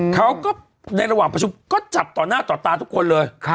เขาก็ในระหว่างประชุมก็จับต่อหน้าต่อตาทุกคนเลย